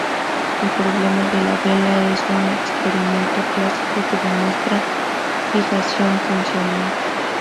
El problema de la vela es un experimento clásico que demuestra la fijación funcional.